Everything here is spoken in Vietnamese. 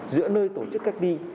giữa nơi tổ chức cách ly